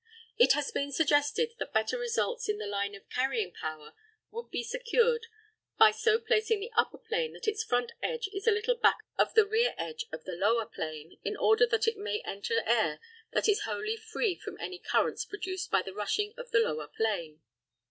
It has been suggested that better results in the line of carrying power would be secured by so placing the upper plane that its front edge is a little back of the rear edge of the lower plane, in order that it may enter air that is wholly free from any currents produced by the rushing of the lower plane.